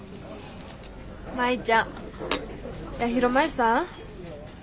舞ちゃん八尋舞さん？